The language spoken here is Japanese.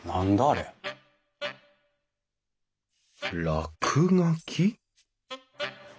落書き？